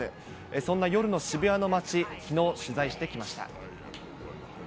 そんな夜の渋谷の街、きのう取材してきました。